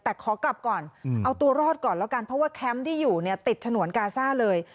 แต่ขอกลับก่อนเอาตัวรอดก่อนแล้วกันเพราะว่าแคมป์ที่อยู่เนี่ยติดฉนวนกาซ่าเลย